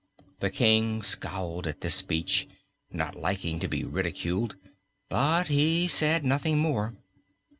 The King scowled at this speech, not liking to be ridiculed, but he said nothing more.